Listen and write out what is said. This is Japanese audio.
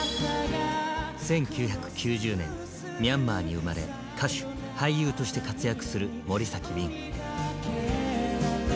１９９０年ミャンマーに生まれ歌手・俳優として活躍するＭＯＲＩＳＡＫＩＷＩＮ。